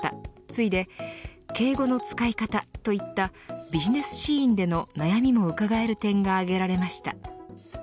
次いで敬語の使い方といったビジネスシーンでの悩みもうかがえる点が挙げられました。